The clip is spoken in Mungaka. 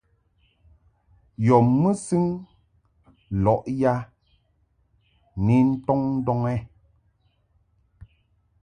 Yɔ mɨsɨŋ lɔʼ ya ni ntɔŋ ndɔŋ ɛ ?